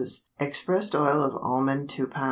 Expressed oil of almond 2 lb.